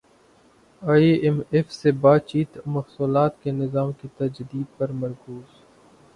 ئی M F سے بات چیت محصولات کے نظام کی تجدید پر مرکوز